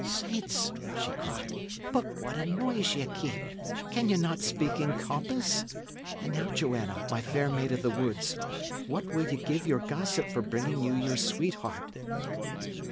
"Saints!" she cried, "but what a noise ye keep! Can ye not speak in compass? And now, Joanna, my fair maid of the woods, what will ye give your gossip for bringing you your sweetheart?"